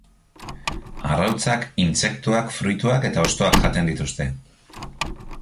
Arrautzak, intsektuak, fruituak eta hostoak jaten dituzte.